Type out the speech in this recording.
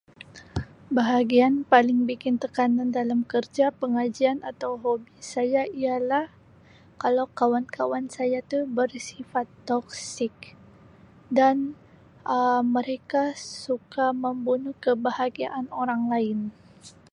Bahagian paling bikin tekanan dalam kerja, pengajian atau hobi saya ialah kalau kawan-kawan saya tu bersifat toksik dan Um mereka suka membunuh kebahagiaan orang lain.